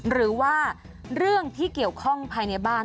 หรือว่าเรื่องที่เกี่ยวข้องภายในบ้าน